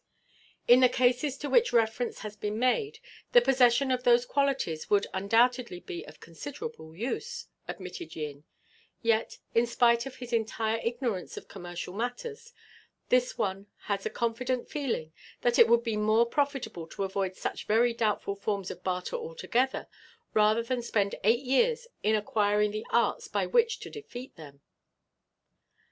"In the cases to which reference has been made, the possession of those qualities would undoubtedly be of considerable use," admitted Yin; "yet, in spite of his entire ignorance of commercial matters, this one has a confident feeling that it would be more profitable to avoid such very doubtful forms of barter altogether rather than spend eight years in acquiring the arts by which to defeat them.